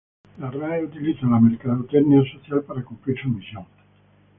Rae utiliza la mercadotecnia social para cumplir su misión.